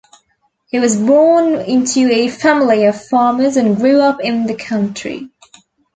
He was born into a family of farmers and grew up in the country.